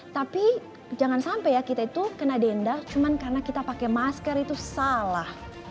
tapi jangan sampai ya kita itu kena denda cuma karena kita pakai masker itu salah